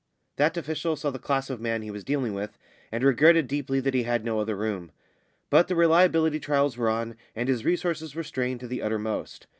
That official saw the class of man he was dealing with, and regretted deeply that he had no other room. But the reliability trials were on, and his resources were strained to the uttermost.